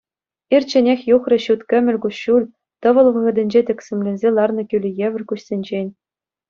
Ирчченех юхрӗ ҫут кӗмӗл куҫҫуль тӑвӑл вӑхӑтӗнче тӗксӗмленсе ларнӑ кӳлӗ евӗр куҫсенчен.